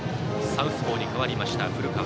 サウスポーに代わりました、古川。